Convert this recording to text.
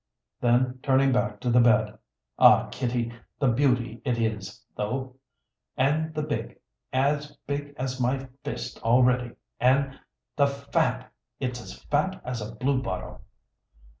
Then, turning back to the bed, "Aw, Kitty, the beauty it is, though! And the big! As big as my fist already. And the fat! It's as fat as a bluebottle.